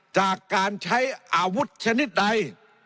จากการใช้อาวุธชนิดใด